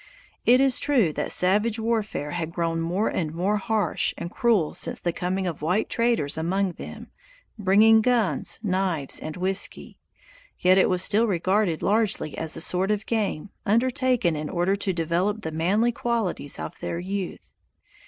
It is true that savage warfare had grown more and more harsh and cruel since the coming of white traders among them, bringing guns, knives, and whisky. Yet it was still regarded largely as a sort of game, undertaken in order to develop the manly qualities of their youth.